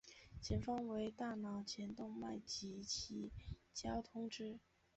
前方为大脑前动脉及其交通支。